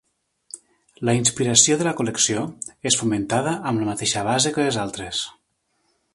La inspiració de la col·lecció és fomentada amb la mateixa base que les altres.